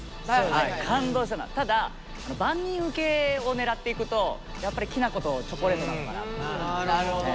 ただ万人受けを狙っていくとやっぱりきなことチョコレートなのかな。